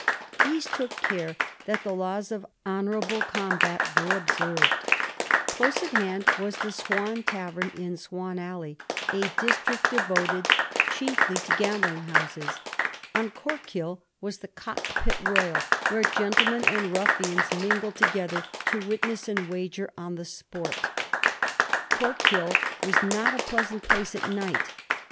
These took care that the laws of honourable combat were observed. Close at hand was the ^ Swan ' Tavern, in Swan Alley, a district devoted Digiti zed by Google 1714 CORK, UMEmCK, WATERFORD, BELFAST. 10^ chiefly to gambling houses. On Cork Hill was the cock pit royal, where gentlemen and ruffians mingled together to witness and wager on the sport. Cork Hill was not a pleasant place at night.